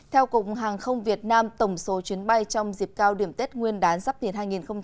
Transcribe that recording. theo cục hàng không việt nam tổng số chuyến bay trong dịp cao điểm tết nguyên đán giáp thìn hai nghìn hai mươi bốn